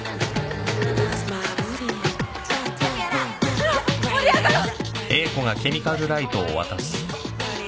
ほら盛り上がろう。